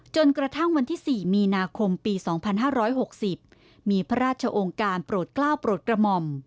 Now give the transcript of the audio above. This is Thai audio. จนกระทั่งวันที่๔มีนาคมปี๒๕๖๐มีพระราชองค์การโปรดกล้าวโปรดกระหม่อม